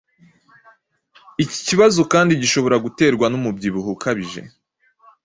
iki kibazo kandi gishobora guterwa n’umubyibuho ukabije